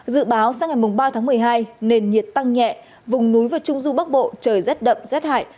dự báo sang ngày ba tháng một mươi hai nền nhiệt tăng nhẹ vùng núi và trung du bắc bộ trời rét đậm rét hại